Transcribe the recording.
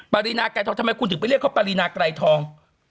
ปรินาไกรทองทำไมคุณถึงไปเรียกเขาปรินาไกรทอง